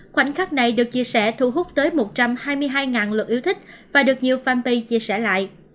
khoảnh khắc này được chia sẻ thu hút tới một trăm hai mươi hai lượt yêu thích và được nhiều fanpage chia sẻ lại